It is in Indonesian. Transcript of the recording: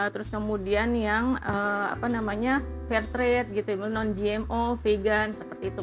terus kemudian yang fair trade non gmo vegan seperti itu